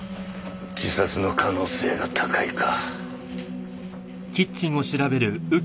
自殺の可能性が高いか。